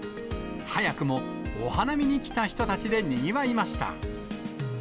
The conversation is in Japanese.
早くもお花見に来た人たちでにぎわいました。